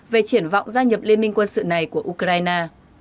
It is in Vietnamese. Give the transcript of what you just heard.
về triển vọng gia nhập liên minh quân sự này của ukraine